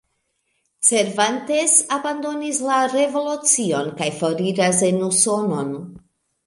Cervantes abandonis la revolucion kaj foriras en Usonon.